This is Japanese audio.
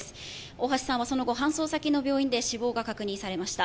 大橋さんはその後搬送先の病院で死亡が確認されました。